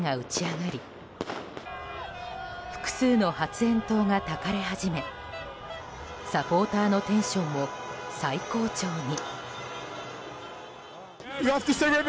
がたかれ始めサポーターのテンションも最高潮に。